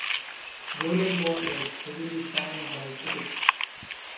"Rollerball" was heavily panned by critics.